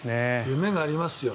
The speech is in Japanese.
夢がありますね。